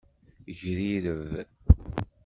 Grireb.